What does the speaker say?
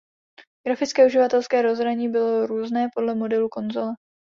Grafické uživatelské rozhraní bylo různé podle modelu konzole.